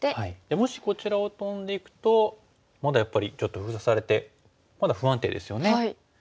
もしこちらをトンでいくとまだやっぱりちょっと封鎖されてまだ不安定ですよね。